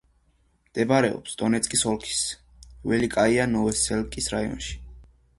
მდებარეობს დონეცკის ოლქის ველიკაია-ნოვოსელკის რაიონში.